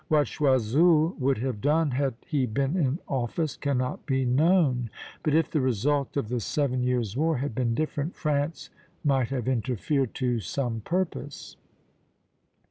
What Choiseul would have done had he been in office, cannot be known; but if the result of the Seven Years' War had been different, France might have interfered to some purpose.